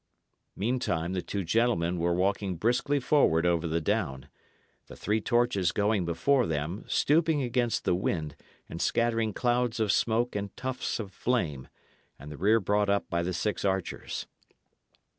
Meantime the two gentlemen were walking briskly forward over the down; the three torches going before them, stooping against the wind and scattering clouds of smoke and tufts of flame, and the rear brought up by the six archers.